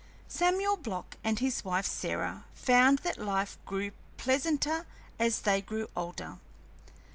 Samuel Block and his wife Sarah found that life grew pleasanter as they grew older.